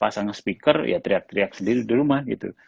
pasang speaker ya teriak teriak sendiri di rumah gitu